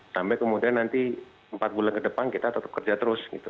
sampai kemudian nanti empat bulan ke depan kita tetap kerja terus gitu